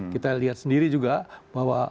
kita lihat sendiri juga bahwa